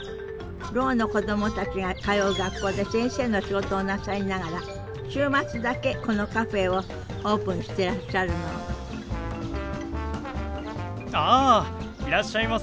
ろうの子どもたちが通う学校で先生の仕事をなさりながら週末だけこのカフェをオープンしてらっしゃるのあいらっしゃいませ。